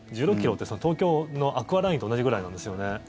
１６ｋｍって東京のアクアラインと同じぐらいなんですよね。